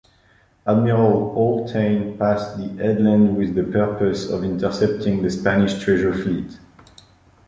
Admiral Haultain passed the headland with the purpose of intercepting the Spanish treasure fleet.